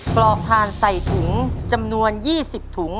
ปลอกทานใส่ถุงจำนวน๒๐ถุง